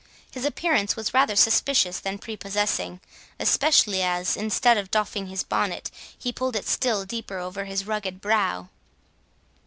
His appearance was rather suspicious than prepossessing, especially as, instead of doffing his bonnet, he pulled it still deeper over his rugged brow.